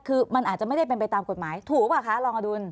คือมันอาจจะไม่ได้เป็นไปตามกฎหมายถูกหรือเปล่าคะรองอดุล